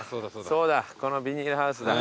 そうだこのビニールハウスだ。